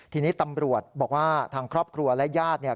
ทีนี้ตำรวจบอกว่าทางครอบครัวและญาติเนี่ย